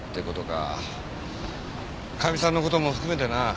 かみさんの事も含めてな。